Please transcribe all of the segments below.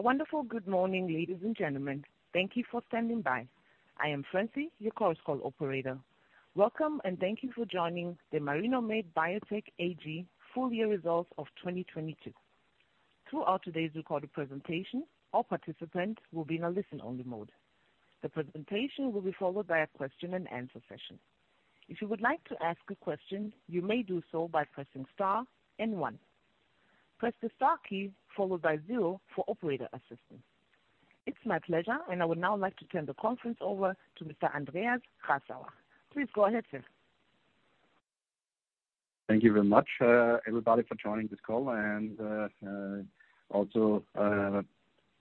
A wonderful good morning, ladies and gentlemen. Thank you for standing by. I am Francie, your course call operator. Welcome and thank you for joining the Marinomed Biotech AG Full Year Results of 2022. Throughout today's recorded presentation, all participants will be in a listen-only mode. The presentation will be followed by a question-and-answer session. If you would like to ask a question, you may do so by pressing star and one. Press the star key followed by zero for operator assistance. It's my pleasure. I would now like to turn the conference over tto Mr. Andreas Grassauer. Please go ahead, sir. Thank you very much, everybody for joining this call also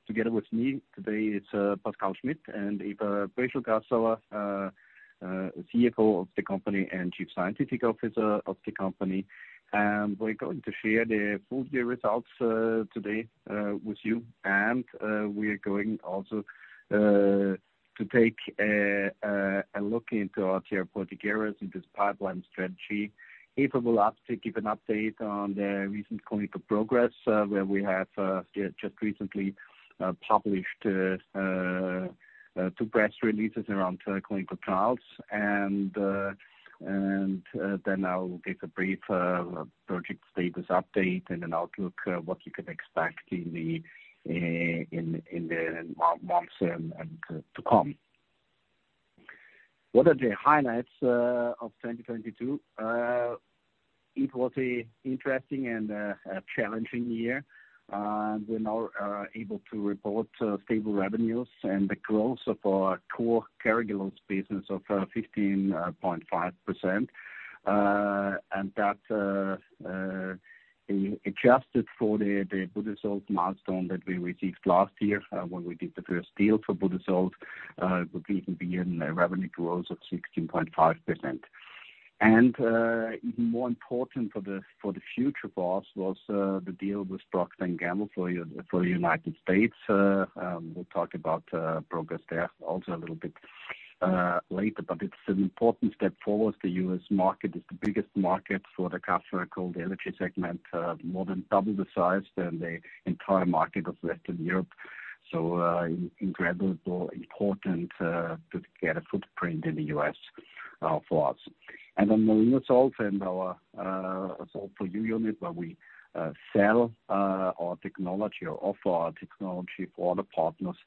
together with me today it's Pascal Schmidt and Eva Prieschl-Grassauer, CFO of the company and Chief Scientific Officer of the company. We're going to share the full year results today with you. We are going also to take a look into our therapeutic areas and this pipeline strategy. Eva will give an update on the recent clinical progress where we have just recently published two press releases around clinical trials. Then I'll give a brief project status update and an outlook what you can expect in the months to come. What are the highlights of 2022? It was an interesting and challenging year. We now are able to report stable revenues and the growth of our core Carragelose business of 15.5%. That adjusted for the Budesolv milestone that we received last year when we did the first deal for Budesolv, would even be in a revenue growth of 16.5%. Even more important for the future for us was the deal with Procter & Gamble for U.S. We'll talk about progress there also a little bit later, but it's an important step forward. The U.S. market is the biggest market for the cuticle energy segment, more than 2x the size than the entire market of Western Europe. Incredibly important to get a footprint in the U.S. for us. Marinosolv and our Solv4U unit, where we sell our technology or offer our technology for other partners,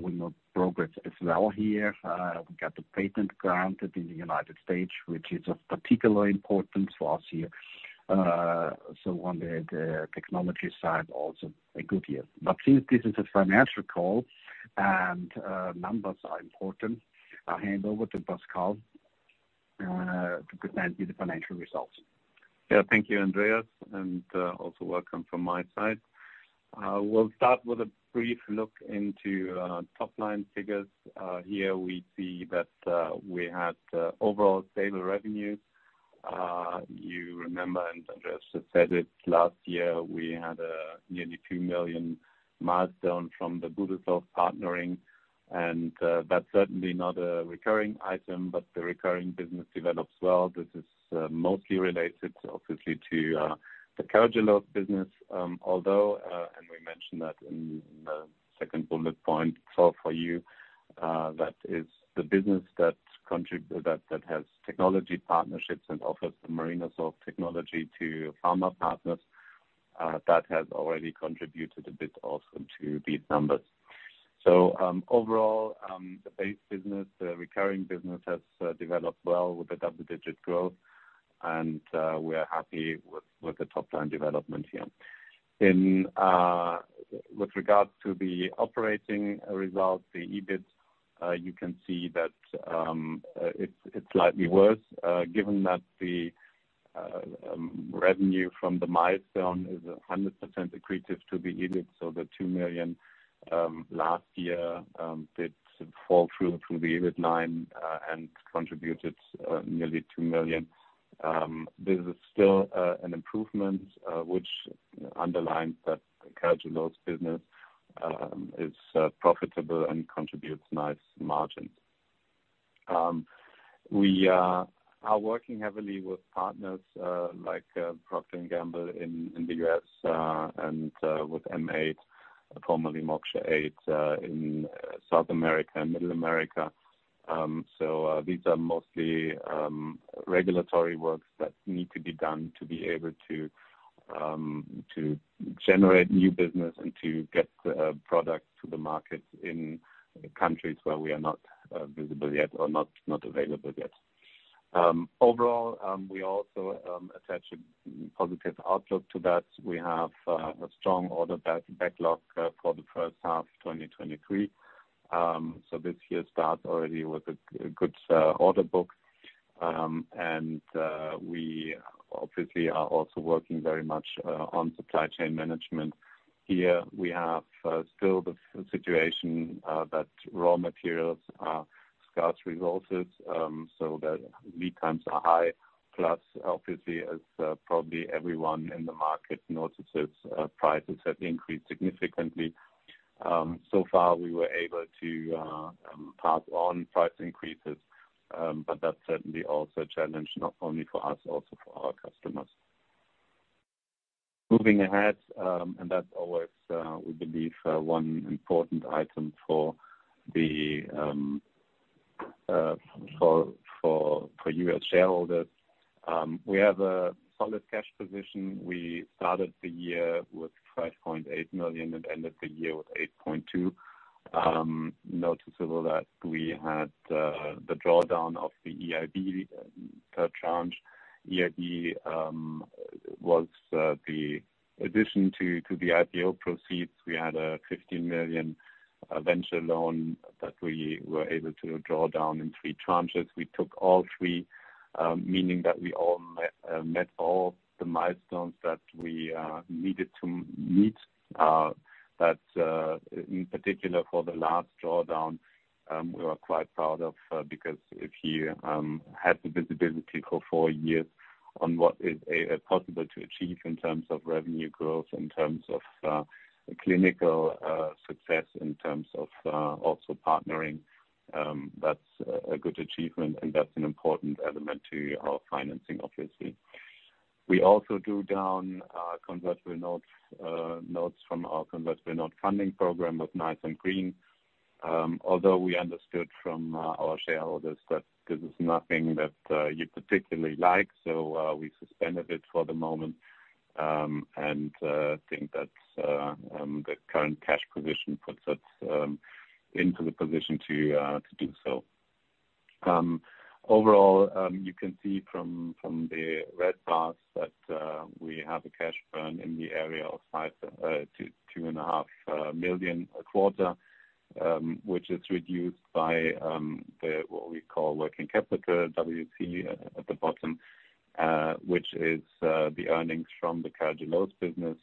we made progress as well here. We got the patent granted in the United States, which is of particular importance for us here. On the technology side, also a good year. Since this is a financial call and numbers are important, I'll hand over to Pascal to present you the financial results. Thank you, Andreas, and also welcome from my side. We'll start with a brief look into top-line figures. Here we see that we had overall stable revenues. You remember, and Andreas just said it, last year, we had nearly 2 million milestone from the Budesolv partnering, and that's certainly not a recurring item. The recurring business develops well. This is mostly related obviously to the Carragelose business. Although, and we mentioned that in the second bullet point, Solv4U, that is the business that has technology partnerships and offers the Marinosolv technology to pharma partners, that has already contributed a bit also to these numbers. Overall, the base business, the recurring business has developed well with the double-digit growth, and we are happy with the top-line development here. In with regards to the operating results, the EBIT, you can see that it's slightly worse, given that the revenue from the milestone is 100% accretive to the EBIT. The 2 million last year did fall through the EBIT line, and contributed nearly 2 million. This is still an improvement, which underlines that Carragelose business is profitable and contributes nice margins. We are working heavily with partners like Procter & Gamble in the US, and with M8, formerly Moksha8, in South America and Middle America. These are mostly regulatory works that need to be done to be able to generate new business and to get products to the market in countries where we are not visible yet or not available yet. Overall, we also attach a positive outlook to that. We have a strong order backlog for the first half 2023. This year starts already with a good order book. We obviously are also working very much on supply chain management. Here we have still the situation that raw materials are scarce resources, so the lead times are high. Plus, obviously, as probably everyone in the market notices, prices have increased significantly. So far we were able to pass on price increases, but that's certainly also a challenge, not only for us, also for our customers. Moving ahead, and that's always we believe one important item for you as shareholders. We have a solid cash position. We started the year with 5.8 million and ended the year with 8.2 million. Noticeable that we had the drawdown of the EIB per tranche. EIB was the addition to the IPO proceeds. We had a 15 million venture loan that we were able to draw down in three tranches. We took all three, meaning that we all met all the milestones that we needed to meet. In particular for the last drawdown, we were quite proud of, because if you had the visibility for four years on what is possible to achieve in terms of revenue growth, in terms of clinical success, in terms of also partnering, that's a good achievement and that's an important element to our financing obviously. We also drew down convertible notes from our Convertible Notes Funding Program with Nice & Green. Although we understood from our shareholders that this is nothing that you particularly like, so we suspended it for the moment, and think that the current cash position puts us into the position to do so. Overall, you can see from the red bars that we have a cash burn in the area of 5, 2.5 million a quarter, which is reduced by the, what we call working capital, WC at the bottom, which is the earnings from the Carragelose business,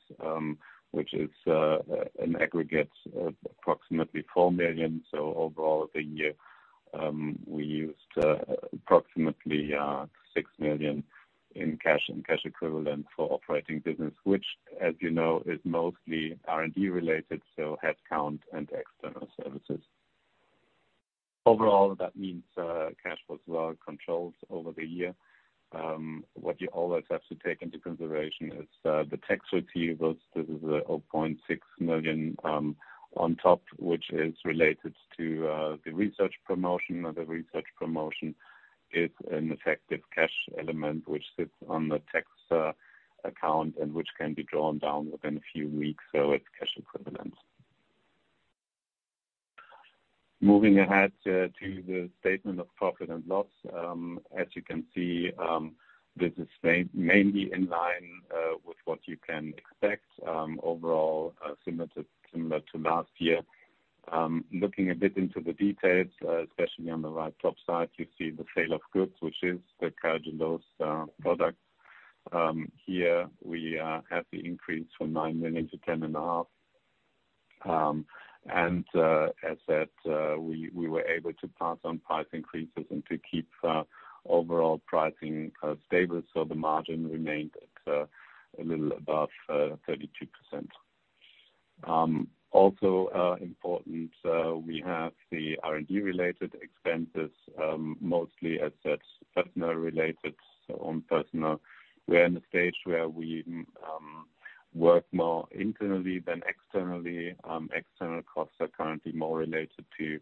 which is an aggregate of approximately 4 million. Overall the year, we used approximately 6 million in cash and cash equivalent for operating business, which as you know, is mostly R&D related, so headcount and external services. Overall that means cash flows were controlled over the year. What you always have to take into consideration is the tax receivables. This is 0.6 million on top, which is related to the research promotion. The research promotion is an effective cash element which sits on the tax account and which can be drawn down within a few weeks. It's cash equivalent. Moving ahead to the statement of profit and loss. As you can see, this is mainly in line with what you can expect overall, similar to last year. Looking a bit into the details, especially on the right top side, you see the sale of goods which is the Carragelose product. Here we have the increase from 9 million to 10.5 million. As said, we were able to pass on price increases and to keep overall pricing stable. The margin remained at a little above 32%. Also, important, we have the R&D related expenses, mostly as said, personnel related, so on personnel. We're in a stage where we work more internally than externally. External costs are currently more related to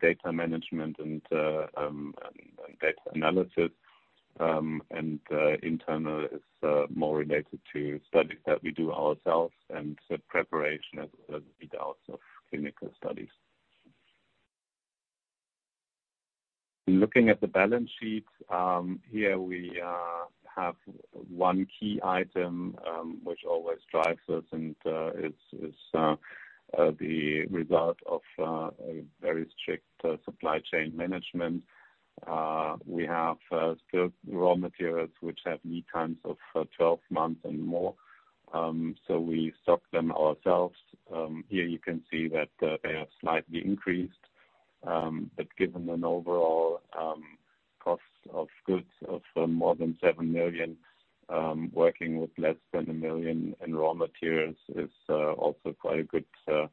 data management and data analysis. Internal is more related to studies that we do ourselves and the preparation as the results of clinical studies. Looking at the balance sheet, here we have one key item, which always drives us and it's the result of a very strict supply chain management. We have still raw materials which have lead times of 12 months and more. We stock them ourselves. Here you can see that they have slightly increased. Given an overall cost of goods of more than 7 million, working with less than 1 million in raw materials is also quite a good example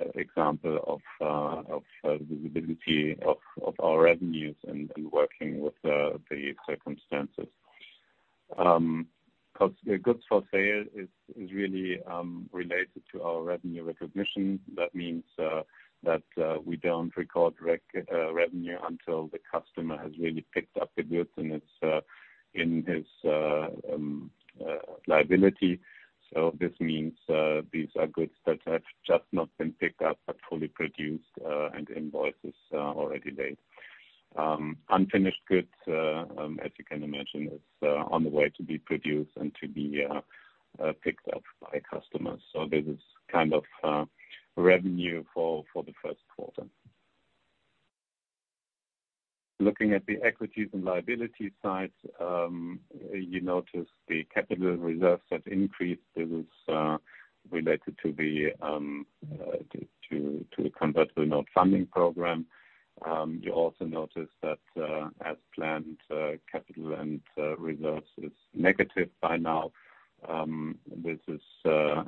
of the visibility of our revenues and working with the circumstances. Cost goods for sale is really related to our revenue recognition. That means that we don't record revenue until the customer has really picked up the goods and it's in his liability. This means these are goods that have just not been picked up but fully produced and invoice is already laid. Unfinished goods, as you can imagine, is on the way to be produced and to be picked up by customers. This is kind of revenue for the first quarter. Looking at the equities and liability side, you notice the capital reserves have increased. This is related to the Convertible Notes Funding Program. You also notice that as planned, capital and reserves is negative by now. This is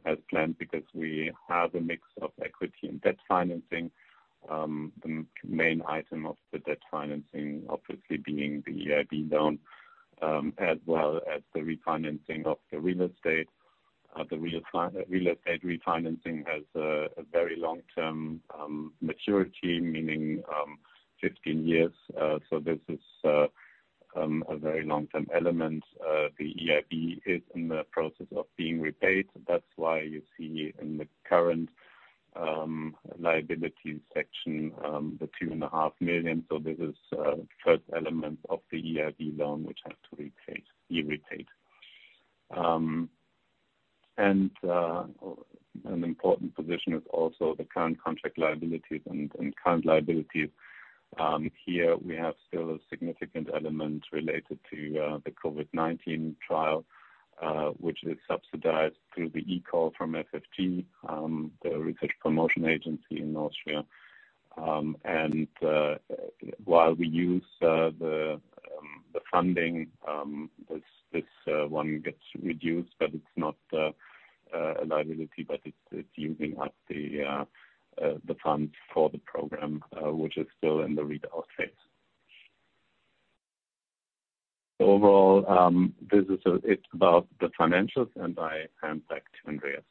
as planned because we have a mix of equity and debt financing. The main item of the debt financing obviously being the EIB loan, as well as the refinancing of the real estate. The real estate refinancing has a very long term maturity, meaning 15 years. This is a very long-term element. The EIB is in the process of being repaid. That's why you see in the current liabilities section, the 2.5 million. This is first element of the EIB loan which has to be repaid. An important position is also the current contract liabilities and current liabilities. Here we have still a significant element related to the COVID-19 trial, which is subsidized through the eCall from FFG, the research promotion agency in Austria. While we use the funding, this one gets reduced, but it's not a liability, but it's using up the funds for the program, which is still in the readout phase. This is it's about the financials, and I hand back to Andreas.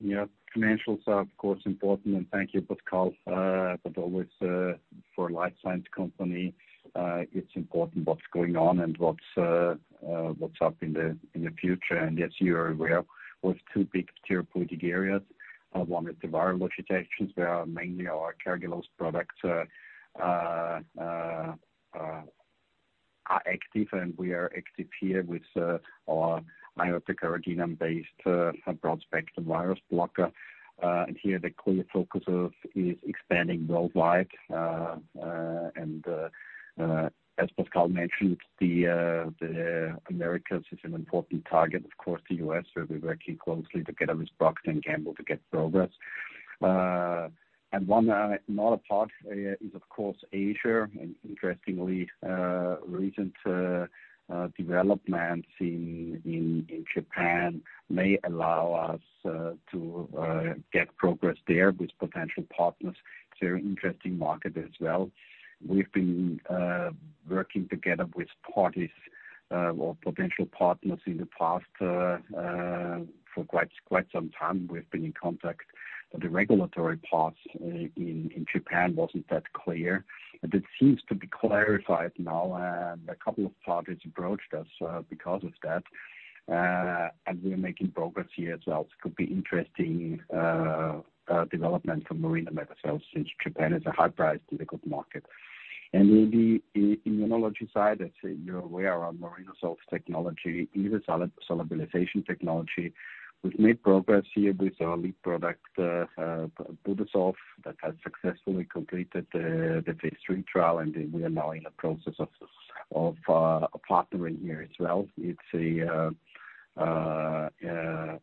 Yeah. Financials are of course important, and thank you, Pascal. Always for a life science company, it's important what's going on and what's up in the future. Yes, you are aware with two big therapeutic areas. One is the virology sections, where mainly our Carragelose products are active, and we are active here with our ioita-carrageenan based broad spectrum virus blocker. Here the clear focus of is expanding worldwide. As Pascal mentioned, the Americas is an important target. Of course, the U.S., where we're working closely together with Procter & Gamble to get progress. One another part is of course Asia. Interestingly, recent developments in Japan may allow us to get progress there with potential partners. It's a very interesting market as well. We've been working together with parties or potential partners in the past for quite some time we've been in contact. The regulatory path in Japan wasn't that clear. It seems to be clarified now and a couple of partners approached us because of that. We are making progress here as well. It could be interesting development for Marinomed since Japan is a high priced technical market. In the immunology side, as you're aware, our Marinosolv technology is a solubilization technology. We've made progress here with our lead product, Budesolv, that has successfully completed the Phase III trial and we are now in the process of partnering here as well. It's a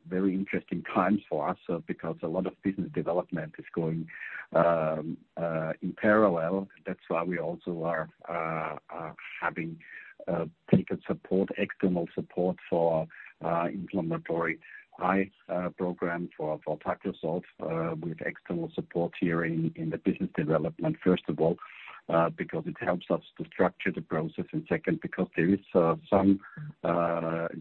very interesting time for us because a lot of business development is going in parallel. That's why we also are having taken support, external support for inflammatory eye program for Tacrosolv with external support here in the business development. First of all, because it helps us to structure the process. Second, because there is some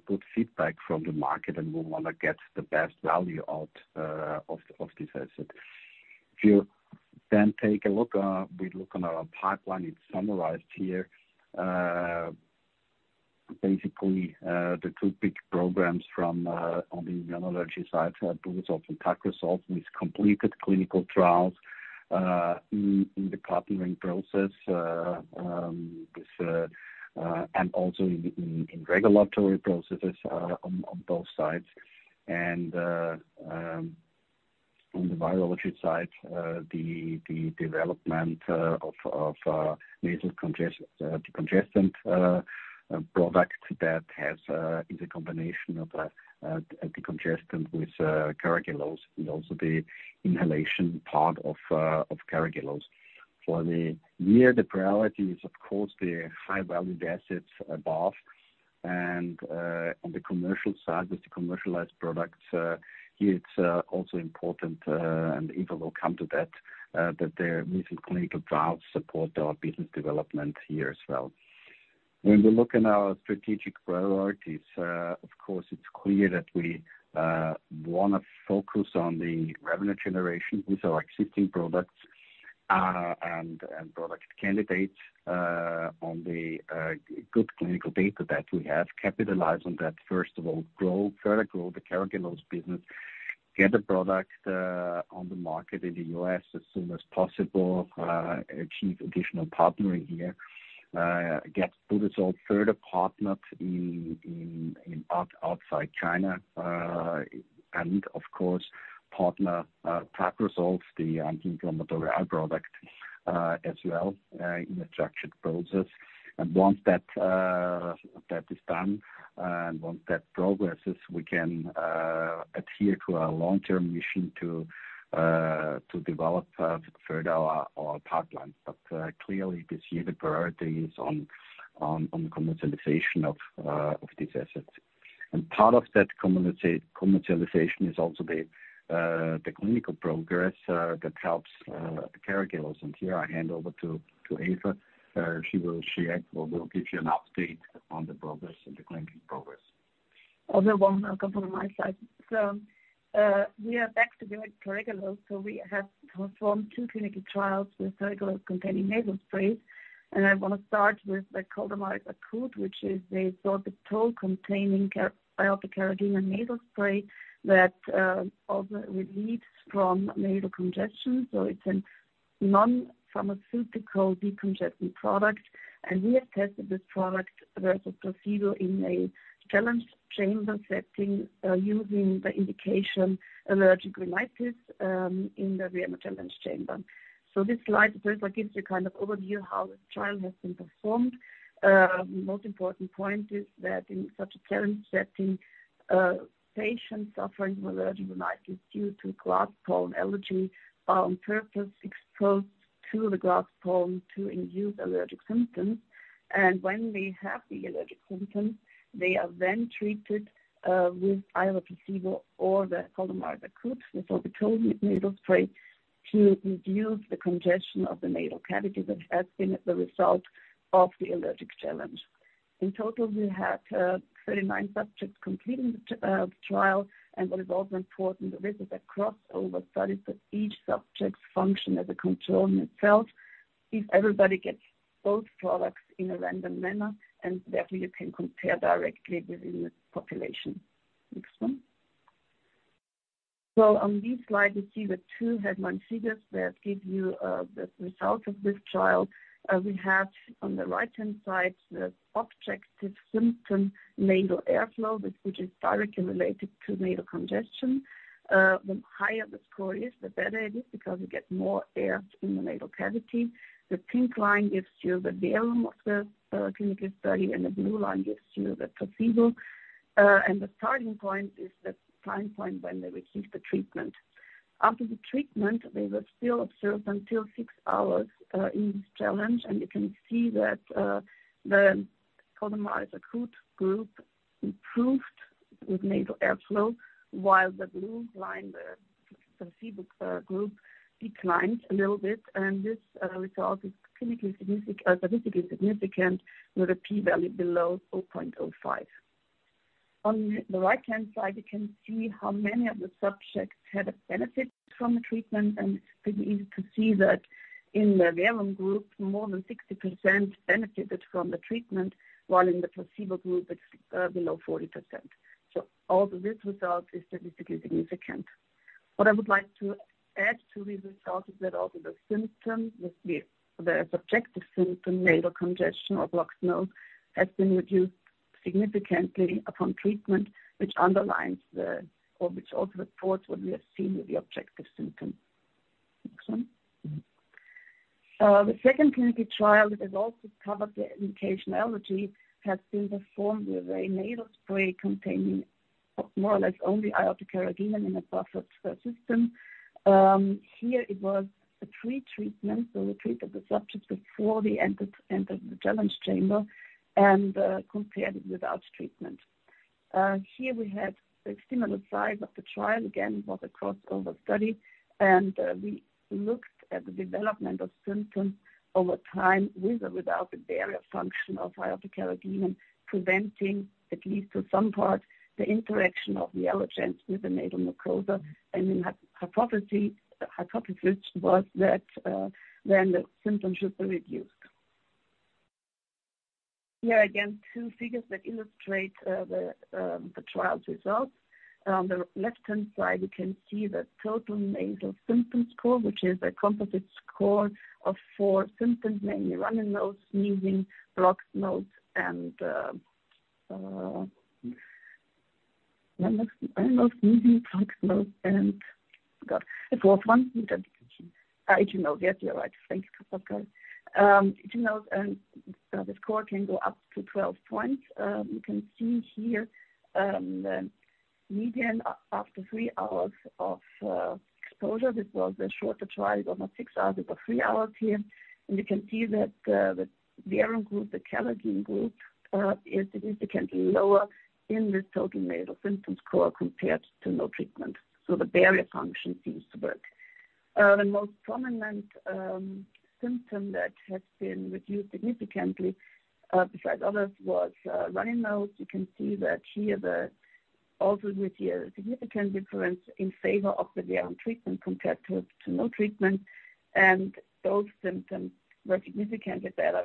good feedback from the market and we wanna get the best value out of this asset. If you then take a look, we look on our pipeline, it's summarized here. Basically, the two big programs from on the immunology side are Budesolv and Tacrosolv, with completed clinical trials in the partnering process with and also in regulatory processes on both sides. On the virology side, the development of nasal decongestant product that has is a combination of a decongestant with Carragelose and also the inhalation part of Carragelose. For the year, the priority is of course the high valued assets above. On the commercial side, with the commercialized products, here it's also important, and Eva will come to that their recent clinical trials support our business development here as well. When we look in our strategic priorities, of course, it's clear that we wanna focus on the revenue generation with our existing products, and product candidates, on the good clinical data that we have. Capitalize on that, first of all, further grow the Carragelose business. Get the product on the market in the U.S. as soon as possible. Achieve additional partnering here. Get Budesolv further partnered outside China. Of course, partner Tacrosolv, the anti-inflammatory eye product, as well, in a structured process. Once that is done, and once that progresses, we can adhere to our long-term mission to develop further our pipeline. Clearly this year the priority is on commercialization of this asset. Part of that commercialization is also the clinical progress that helps the Carragelose. Here I hand over to Eva. She will share or will give you an update on the progress, the clinical progress. Other one, I'll come from my side. We are back to the Carragelose. We have performed two clinical trials with Carragelose-containing nasal sprays. I wanna start with the Coldamaris, which is a sorbitol-containing iota-carrageenan nasal spray that also relieves from nasal congestion. It's a non-pharmaceutical decongestant product, and we have tested this product versus placebo in a challenge chamber setting, using the indication allergic rhinitis, in the Vienna Challenge Chamber. This slide further gives you kind of overview how the trial has been performed. Most important point is that in such a challenge setting, patients suffering from allergic rhinitis due to grass pollen allergy are on purpose exposed to the grass pollen to induce allergic symptoms. When they have the allergic symptoms, they are then treated, with either placebo or the Coldamaris akut with sorbitol nasal spray to reduce the congestion of the nasal cavity that has been the result of the allergic challenge. In total, we had 39 subjects completing the trial. What is also important, this is a crossover study, so each subject function as a control in itself if everybody gets both products in a random manner, and therefore you can compare directly within the population. Next one. On this slide, we see the two head main figures that give you the result of this trial. We have on the right-hand side the objective symptom nasal airflow, which is directly related to nasal congestion. The higher the score is, the better it is because we get more air in the nasal cavity. The pink line gives you the inaudible clinical study, the blue line gives you the placebo. The starting point is the time point when they receive the treatment. After the treatment, they were still observed until six hours in this challenge. You can see that the cold and mild acute group improved with nasal airflow, while the blue line, the placebo group declined a little bit. This result is statistically significant with a P-value below 0.05. On the right-hand side, you can see how many of the subjects had a benefit from the treatment. It's pretty easy to see that in the Verum group, more than 60% benefited from the treatment, while in the placebo group it's below 40%. Also this result is statistically significant. What I would like to add to this result is that also the symptom, the subjective symptom, nasal congestion or blocked nose, has been reduced significantly upon treatment, which underlines which also reports what we have seen with the objective symptom. Next one. The second clinical trial that has also covered the indication allergy, has been performed with a nasal spray containing more or less only iota-carrageenan in a buffer system. Here it was a pre-treatment, so we treated the subjects before they entered the challenge chamber and compared it without treatment. Here we had a similar size of the trial. Again, it was a crossover study, we looked at the development of symptoms over time with or without the barrier function of iota-carrageenan, preventing, at least to some part, the interaction of the allergens with the nasal mucosa. The hypothesis was that the symptoms should be reduced. Here again, two figures that illustrate the trial's results. On the left-hand side, we can see the Total Nasal Symptom Score, which is a composite score of four symptoms, mainly running nose, sneezing, blocked nose, forgot. A fourth one with indication. Itch and nose. Yes, you're right. Thank you. [would you note], the score can go up to 12 points. You can see here the median after three hours of exposure. This was a shorter trial. It was not six hours, it was three hours here. You can see that the Verum group, the carrageenan group, is significantly lower in this Total Nasal Symptom Score compared to no treatment. The barrier function seems to work. The most prominent symptom that has been reduced significantly, besides others, was running nose. You can see that here also we see a significant difference in favor of the Verum treatment compared to no treatment. Those symptoms were significantly better,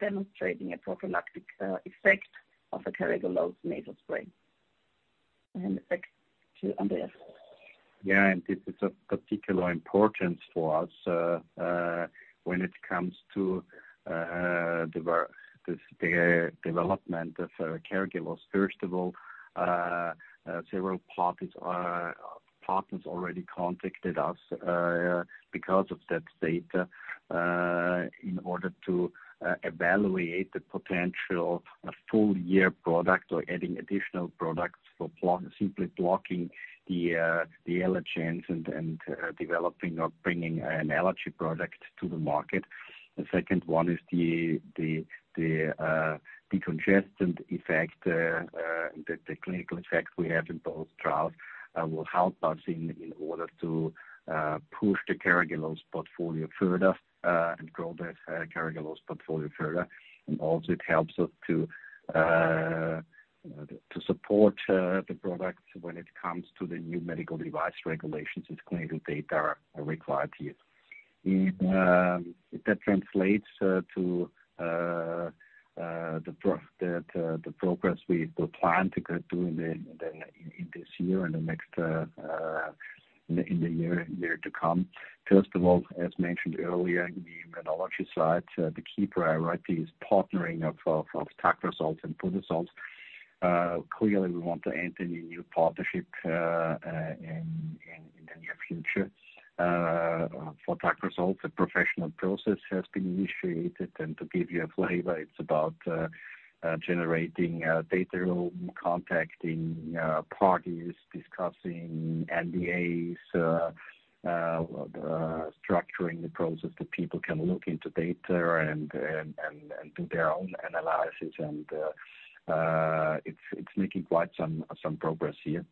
demonstrating a prophylactic effect of the Carragelose nasal spray. Back to Andreas. Yeah. This is of particular importance for us, when it comes to the development of Carragelose. First of all, several parties, partners already contacted us, because of that data, in order to evaluate the potential a full year product or adding additional products for block- simply blocking the allergens and developing or bringing an allergy product to the market. The second one is the decongestant effect, the clinical effect we have in both trials, will help us in order to push the Carragelose portfolio further, and grow that Carragelose portfolio further. Also it helps us to support the products when it comes to the new Medical Device Regulation as clinical data are required here. In that translates to the progress we will plan to go through in this year and the next in the year to come. First of all, as mentioned earlier, in the immunology side, the key priority is partnering of Tacrosolv and Budesolv. Clearly we want to enter new partnership in the near future. For Tacrosolv, the professional process has been initiated. To give you a flavor, it's about generating data, contacting parties, discussing NDAs, structuring the process that people can look into data and do their own analysis. It's making quite some progress here.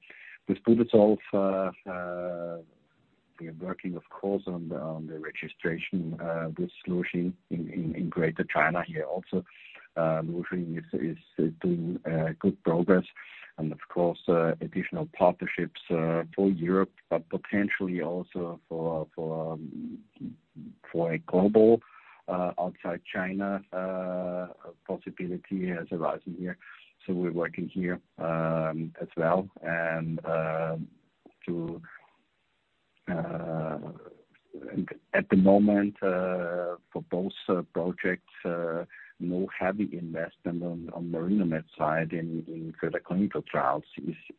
With Budesolv, we are working of course on the registration with Luoxin in greater China here also. Luoxin is doing good progress and of course, additional partnerships for Europe, but potentially also for a global outside China possibility as arising here. We're working here as well. At the moment, for both projects, no heavy investment on Marinomed side in further clinical trials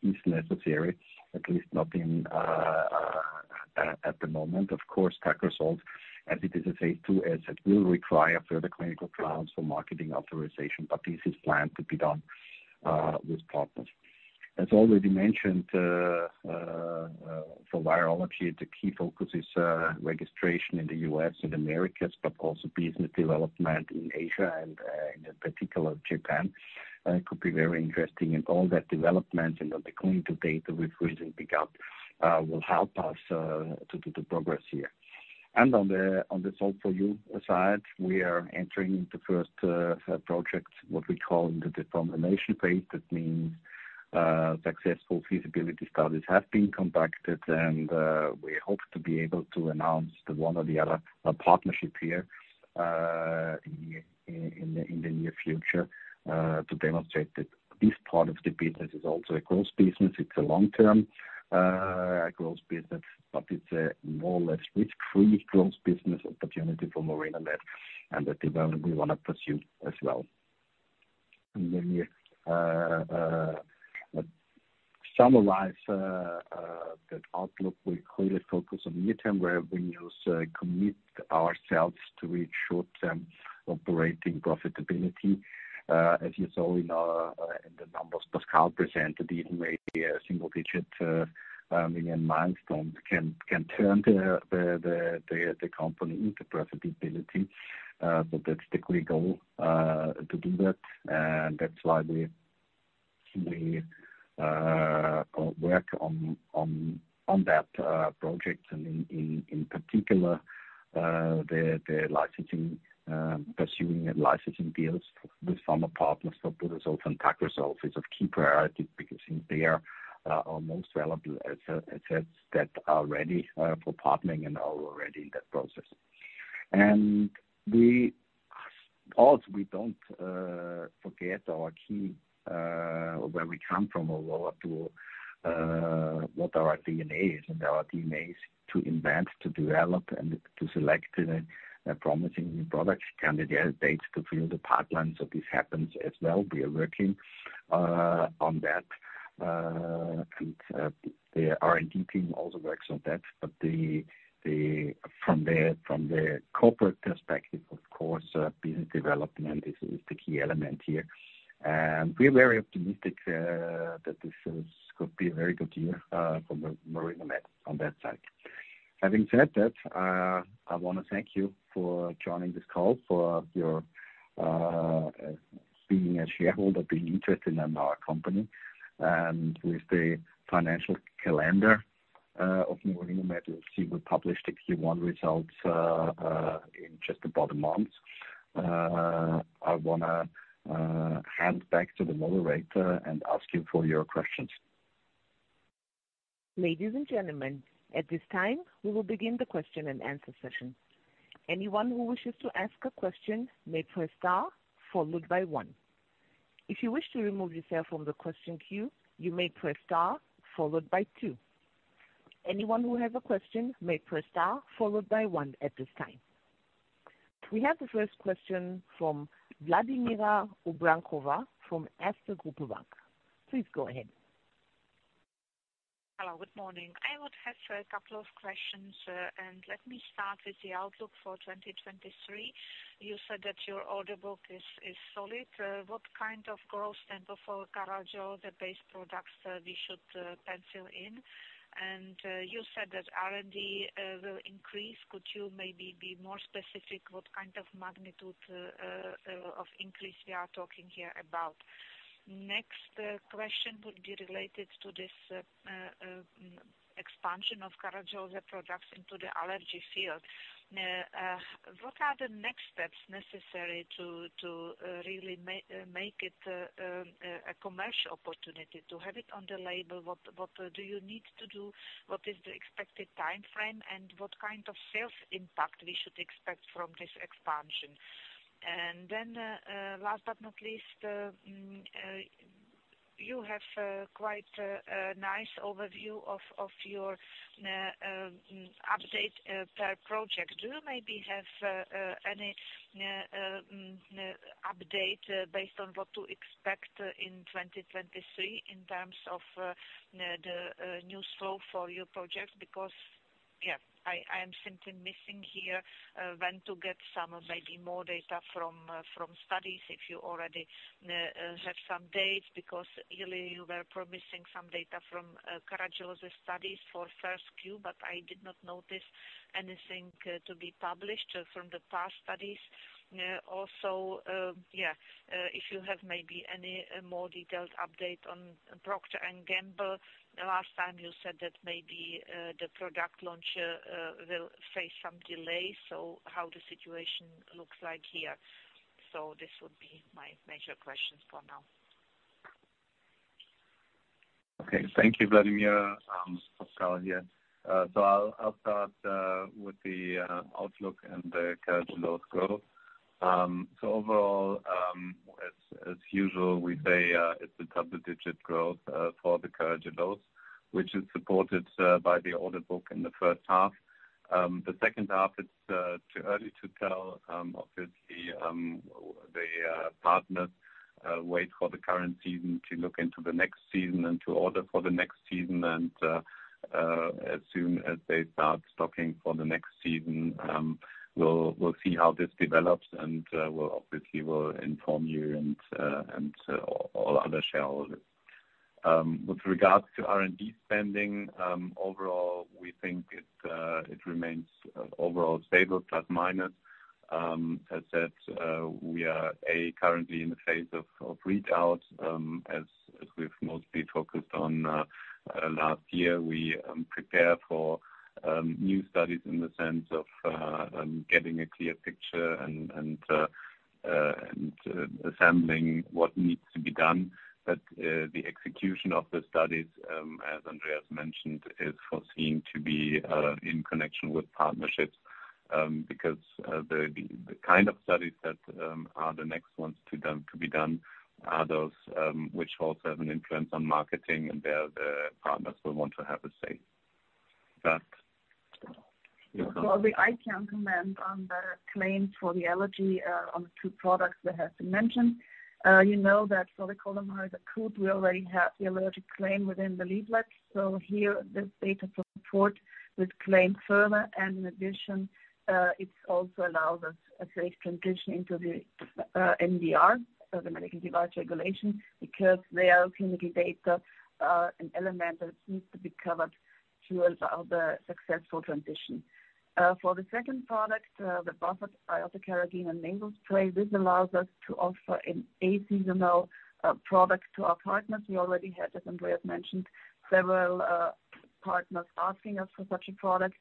is necessary, at least not at the moment. Of course, Tacrosolv as it is a phase II asset will require further clinical trials for marketing authorization, but this is planned to be done with partners. As already mentioned, for virology, the key focus is registration in the U.S. and Americas, but also business development in Asia and in particular Japan. It could be very interesting and all that development and the clinical data we've recently got will help us to do the progress here. On the Solv4U side, we are entering the first project, what we call in the determination phase. That means successful feasibility studies have been conducted, and we hope to be able to announce the one or the other partnership here in the near future to demonstrate that this part of the business is also a growth business. It's a long-term growth business, but it's a more or less risk-free growth business opportunity for Marinomed and the development we want to pursue as well. We summarize the outlook. We clearly focus on midterm revenue. Commit ourselves to reach short-term operating profitability. As you saw in our in the numbers Pascal Schmidt presented, even maybe a single-digit million milestone can turn the company into profitability. That's the clear goal to do that. That's why we work on that project and in particular the licensing pursuing licensing deals with pharma partners for Budesolv and Tacrosolv is of key priority because they are our most relevant assets that are ready for partnering and are already in that process. We also, we don't forget our key, where we come from or what our, what our DNA is. Our DNA is to invent, to develop and to select promising new products candidates to fill the pipelines so this happens as well. We are working on that. The R&D team also works on that. From the, from the corporate perspective, of course, business development is the key element here. We're very optimistic that this is, could be a very good year for Marinomed Biotech AG on that side. Having said that, I wanna thank you for joining this call, for your being a shareholder, being interested in our company. With the financial calendar of Marinomed Biotech AG, you'll see we publish the Q1 results in just about a month. I wanna hand back to the moderator and ask you for your questions. Ladies and gentlemen, at this time we will begin the question-and-answer session. Anyone who wishes to ask a question may press star followed by one. If you wish to remove yourself from the question queue, you may press star followed by two. Anyone who has a question may press star followed by one at this time. We have the first question from Vladimira Urbankova from Erste Group Bank. Please go ahead. Hello, good morning. I would have a couple of questions, and let me start with the outlook for 2023. You said that your order book is solid. What kind of growth tempo for Carragelose, the base products, we should pencil in? You said that R&D will increase. Could you maybe be more specific what kind of magnitude of increase we are talking here about? Next question would be related to this expansion of Carragelose products into the allergy field. What are the next steps necessary to really make it a commercial opportunity? To have it on the label, what do you need to do? What is the expected timeframe, and what kind of sales impact we should expect from this expansion? Last but not least, you have quite a nice overview of your update per project. Do you maybe have any update based on what to expect in 2023 in terms of the new flow for your project? Yeah, I am simply missing here when to get some maybe more data from studies, if you already have some dates, because really you were promising some data from Carragelose studies for first few, but I did not notice anything to be published from the past studies. Also, yeah, if you have maybe any more detailed update on Procter & Gamble. Last time you said that maybe the product launch will face some delays. How the situation looks like here. This would be my major questions for now. Okay, thank you, Vladimira. Pascal here. I'll start with the outlook and the Carragelose load growth. Overall, as usual, we say it's a double-digit growth for the Carragelose load, which is supported by the order book in the first half. The second half, it's too early to tell. Obviously, the partners wait for the current season to look into the next season and to order for the next season. As soon as they start stocking for the next season, we'll see how this develops and we'll obviously will inform you and all other shareholders. With regards to R&D spending, overall, we think it remains overall stable, plus minus. As said, we are currently in the phase of reach out, as we've mostly focused on last year. We prepare for new studies in the sense of getting a clear picture and assembling what needs to be done. But the execution of the studies, as Andreas Grassauer mentioned, is foreseen to be in connection with partnerships, because the kind of studies that are the next ones to be done are those which also have an influence on marketing and there the partners will want to have a say. But Well, I can comment on the claims for the allergy, on the two products that have been mentioned. You know that for the Carrergin could we already have the allergic claim within the leaflet. Here this data support with claim firmer, and in addition, it also allows us a safe transition into the MDR, so the Medical Device Regulation, because their clinical data, an element that needs to be covered to allow the successful transition. For the second product, the buffet iota-carrageenan nasal spray, this allows us to offer an a-seasonal product to our partners. We already had, as Andreas mentioned, several partners asking us for such a product.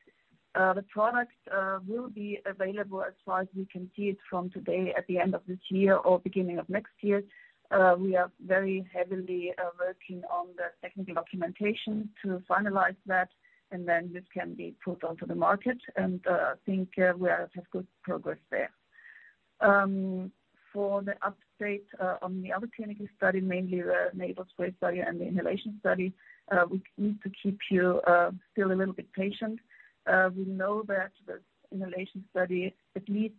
The product will be available as far as we can see it from today at the end of this year or beginning of next year. We are very heavily working on the technical documentation to finalize that, and then this can be put onto the market, and I think we are have good progress there. For the update on the other clinical study, mainly the nasal spray study and the inhalation study, we need to keep you still a little bit patient. We know that the inhalation study, at least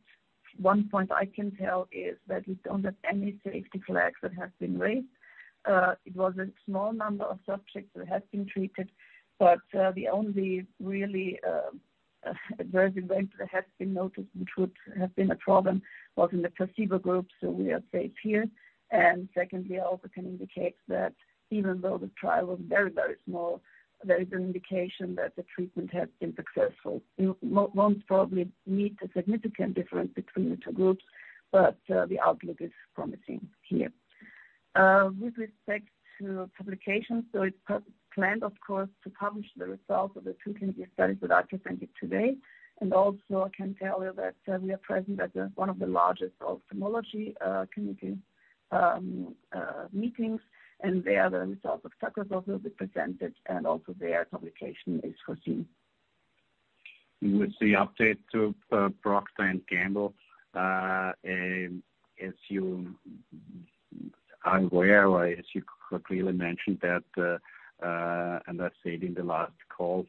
one point I can tell is that we don't have any safety flags that have been raised. It was a small number of subjects that have been treated, but the only really adverse event that has been noted, which would have been a problem, was in the placebo group, so we are safe here. Secondly, I also can indicate that even though the trial was very, very small, there is an indication that the treatment has been successful. You won't probably meet a significant difference between the two groups, but the outlook is promising here. With respect to publications, it's planned of course to publish the results of the two clinical studies that are presented today. Also I can tell you that we are present at one of the largest ophthalmology community meetings, and there the results of Carragelose also will be presented, and also their publication is foreseen. With the update to Procter & Gamble, as you. I'm aware, as you clearly mentioned that, and I said in the last call,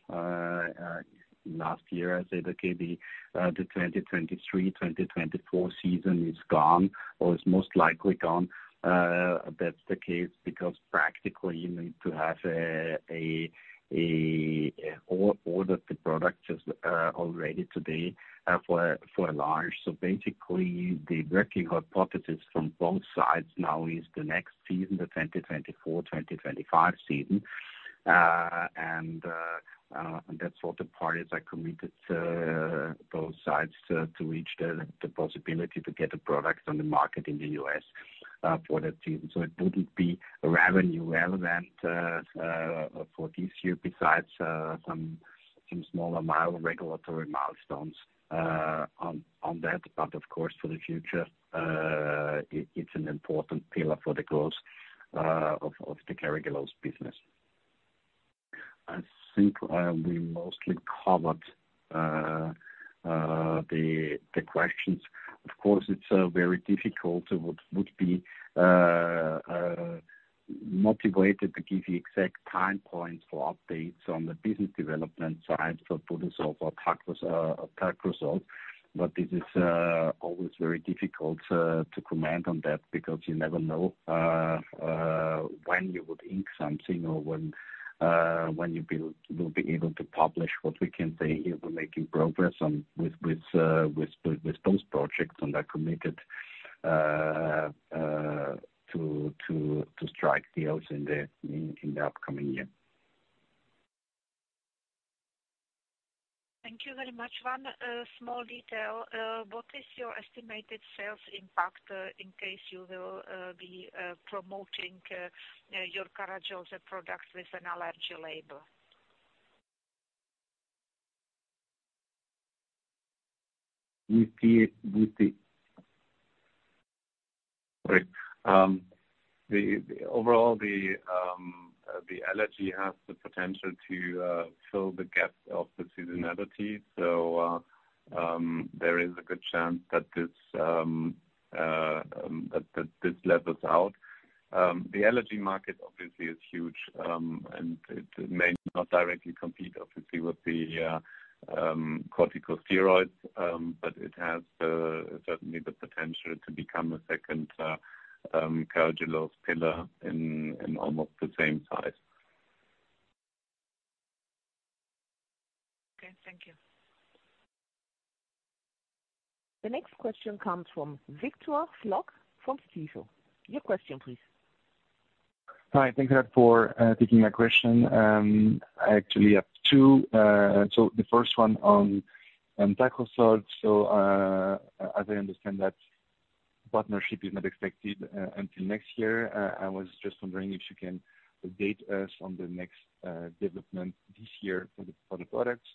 last year, I said, okay, the 2023/2024 season is gone or is most likely gone. That's the case because practically you need to have Order the product already today for large. Basically, the working hypothesis from both sides now is the next season, the 2024/2025 season. And that's what the parties are committed to, both sides to reach the possibility to get the product on the market in the US for that season. It wouldn't be revenue relevant for this year besides some smaller regulatory milestones on that. Of course, for the future, it's an important pillar for the growth of the Carragelose business. I think we mostly covered the questions. Of course, it's very difficult what would be motivated to give you exact time points for updates on the business development side for Budesolv or Tacrosolv. This is always very difficult to comment on that because you never know when you would ink something or when you will be able to publish what we can say here. We're making progress on with those projects, and are committed to strike deals in the upcoming year. Thank you very much. One, small detail. What is your estimated sales impact, in case you will be promoting your carragelose products with an allergy label? With the... Sorry. Overall, the allergy has the potential to fill the gap of the seasonality. There is a good chance that this levels out. The allergy market obviously is huge, and it may not directly compete obviously with the corticosteroids. It has certainly the potential to become a second carragelose pillar in almost the same size. Okay. Thank you. The next question comes from Victor Floc'h from Stifel. Your question, please. Hi. Thank you for taking my question. I actually have two. The first one on Tacrosolv. As I understand that partnership is not expected until next year. I was just wondering if you can update us on the next development this year for the products.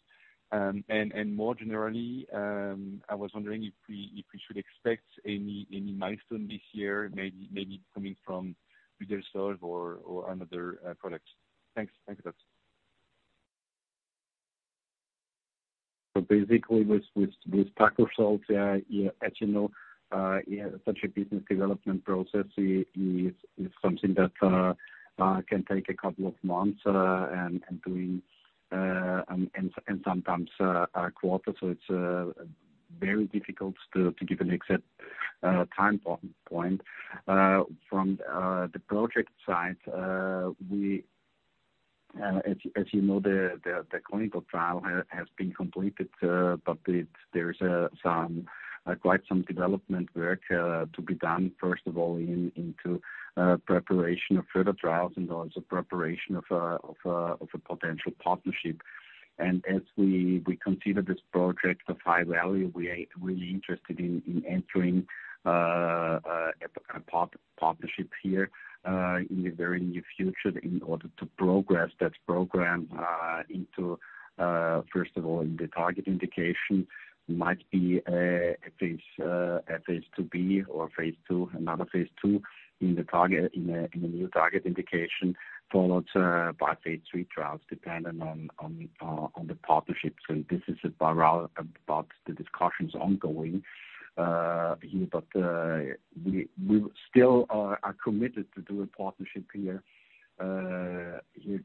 And more generally, I was wondering if we should expect any milestone this year, maybe coming from Budesolv or another product. Thanks. Thanks a lot. Basically with Tacrosolv, yeah, as you know, such a business development process is something that can take a couple of months, and doing, and sometimes a quarter. It's very difficult to give an exact time point. From the project side, we, as you know, the clinical trial has been completed, but there is quite some development work to be done, first of all in, into preparation of further trials and also preparation of a potential partnership. As we consider this project of high value, we are really interested in entering a part-partnership here in the very near future in order to progress that program into, first of all, the target indication might be a phase IIb or phase II. Another phase II in the new target indication, followed by phase III trials, depending on the partnership. This is a but the discussion's ongoing here. We still are committed to do a partnership here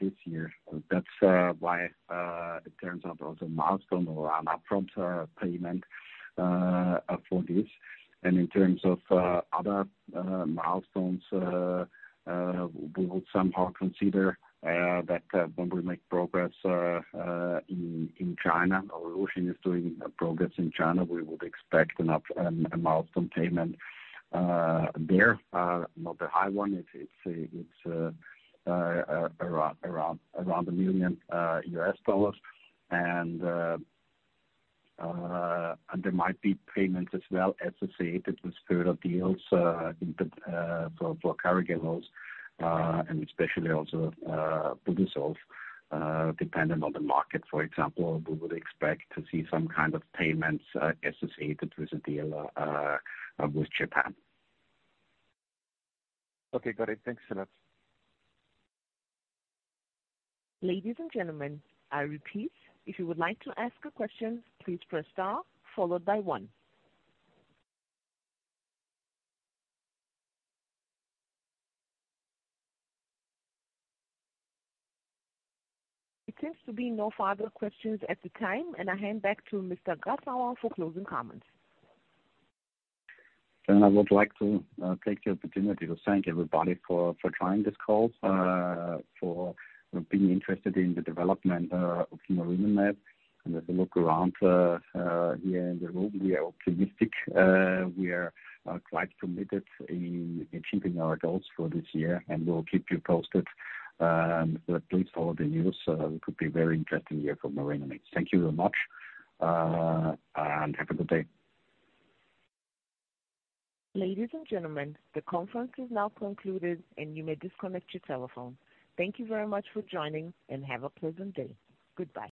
this year. That's why, in terms of the milestone or an upfront payment for this. In terms of other milestones, we would somehow consider that when we make progress in China or Luoxin is doing progress in China, we would expect a milestone payment there. Not a high one. It's it's a it's around $1 million. There might be payments as well associated with further deals in the for Carragelose and especially also Budesolv depending on the market. For example, we would expect to see some kind of payments associated with the deal with Japan. Okay. Got it. Thanks a lot. Ladies and gentlemen, I repeat, if you would like to ask a question, please press star followed by one. It seems to be no further questions at the time. I hand back to Mr. Grassauer for closing comments. I would like to take the opportunity to thank everybody for joining this call. For being interested in the development of Marinomed. As I look around here in the room, we are optimistic. We are quite committed in achieving our goals for this year, and will keep you posted. Please follow the news. It could be a very interesting year for Marinomed. Thank you very much, and have a good day. Ladies and gentlemen, the conference is now concluded, and you may disconnect your telephone. Thank you very much for joining, and have a pleasant day. Goodbye